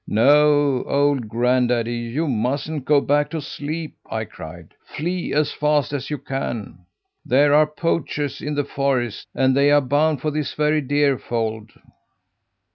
"'No, old granddaddy, you mustn't go back to sleep!' I cried. 'Flee as fast as you can! There are poachers in the forest, and they are bound for this very deer fold.'